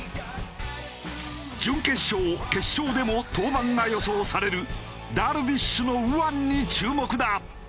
準決勝決勝でも登板が予想されるダルビッシュの右腕に注目だ。